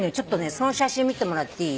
その写真見てもらっていい？